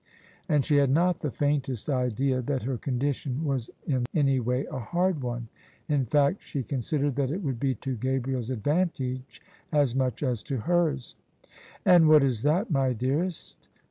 And she had not the faintest idea that her condition was in any way a hard one. In fact she considered that it would be to Gabriel's advantage as much as to hers. "And what is that, my dearest?